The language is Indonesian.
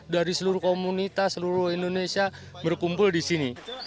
dari seluruh komunitas seluruh indonesia berkumpul di sini